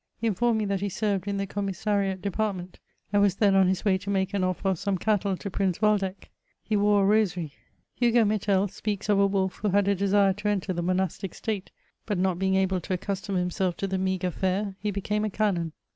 He in formed me that he served in the commissariat department, and was then on his way to make an oflfer of some cattle to Prince Waldeck. He wore a rosaiy : Hu^Metel speaks of a wolf who had a desire to enter the monastic state, but not being able to accustom himself to the meagre fare, he became a canon.